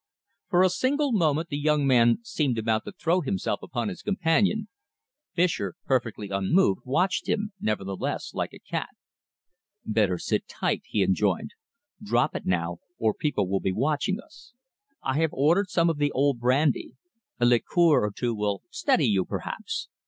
For a single moment the young man seemed about to throw himself upon his companion, Fischer, perfectly unmoved, watched him, nevertheless, like a cat. "Better sit tight," he enjoined. "Drop it now or people will be watching us. I have ordered some of the old brandy. A liqueur or two will steady you, perhaps.